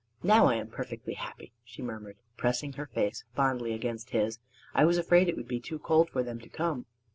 "Now I am perfectly happy," she murmured, pressing her face fondly against his. "I was afraid it would be too cold for them to come."